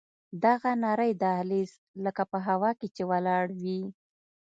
دغه نرى دهلېز لکه په هوا کښې چې ولاړ وي.